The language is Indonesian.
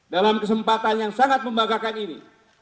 dalam kesempatan yang sangat membanggakan ini